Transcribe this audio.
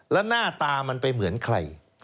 แล้วหน้าตามันไปเหมือนใคร